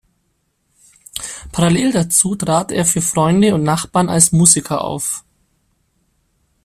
Parallel dazu trat er für Freunde und Nachbarn als Musiker auf.